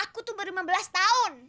aku tuh baru lima belas tahun